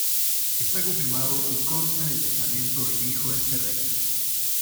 Está confirmado y consta en el testamento del hijo de este rey.